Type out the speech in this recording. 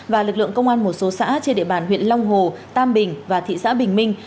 và lực lượng công an một số xã trên địa bàn huyện long hồ tam bình và thị xã bình minh